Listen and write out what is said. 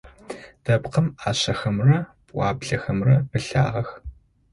Дэпкъым ӏашэхэмрэ пӏуаблэхэмрэ пылъагъэх.